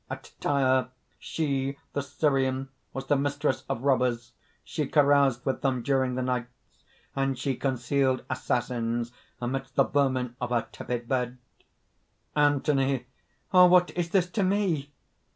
"At Tyre, she, the Syrian, was the mistress of robbers. She caroused with them during the nights; and she concealed assassins amidst the vermin of her tepid bed." ANTHONY. "Ah! what is this to me?..."